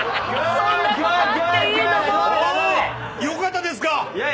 良かったですか？